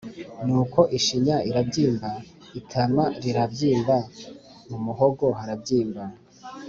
nuko ishinya irabyimba, itama rirabyimba, mu muhogo harabyimba